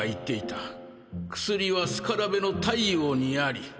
「薬はスカラベの太陽にあり」。